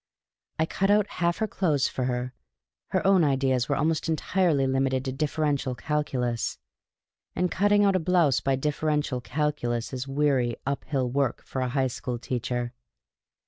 I cut out half her clothes for her ; her own ideas were almost entirely limited to differential calculus. And cutting out a blouse by differential calculus is weary, uphill work for a high school teacher.